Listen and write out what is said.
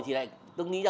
tôi nghĩ là